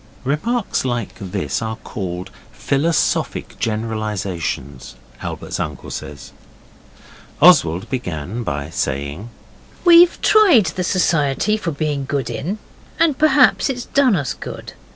(Remarks like this are called philosophic generalizations, Albert's uncle says.) Oswald began by saying 'We've tried the society for being good in, and perhaps it's done us good.